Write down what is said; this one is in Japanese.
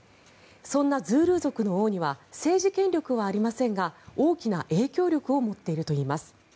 そんなズールー族の王には政治権力はありませんが大きな影響力を持っているといいます。